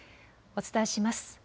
お伝えします。